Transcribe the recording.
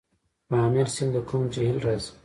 پامیر سیند له کوم جهیل راځي؟